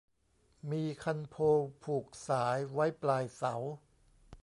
มีคันโพง ผูกสาย ไว้ปลายเสา